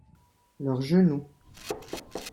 Leur genou.